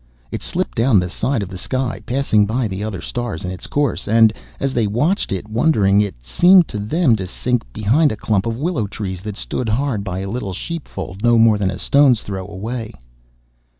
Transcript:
It slipped down the side of the sky, passing by the other stars in its course, and, as they watched it wondering, it seemed to them to sink behind a clump of willow trees that stood hard by a little sheepfold no more than a stone's throw away.